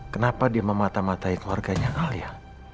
kenapa dia mematah matahi keluarganya alia